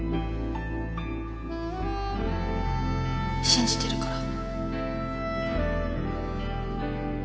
信じてるから。